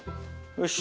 よし。